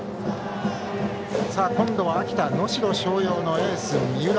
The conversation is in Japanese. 今度は秋田・能代松陽のエース三浦。